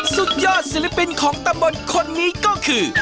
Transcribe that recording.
สุดยอดศิลปินของตำบลคนนี้ก็คือ